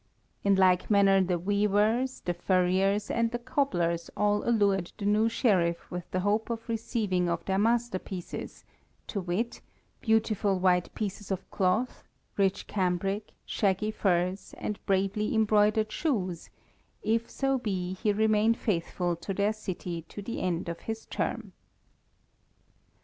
In like manner the weavers, the furriers, and the cobblers all allured the new Sheriff with the hope of receiving of their masterpieces, to wit, beautiful white pieces of cloth, rich cambric, shaggy furs, and bravely embroidered shoes, if so be he remain faithful to their city to the end of his term.